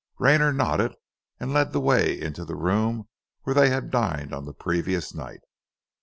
Rayner nodded, and led the way into the room where they had dined on the previous night.